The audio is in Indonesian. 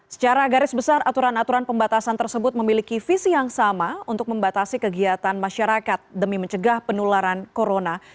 secara garis besar aturan aturan pembatasan tersebut memiliki visi yang sama untuk membatasi kegiatan masyarakat demi mencegah penularan corona